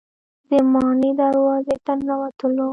د ماڼۍ دروازې ته ننوتلو.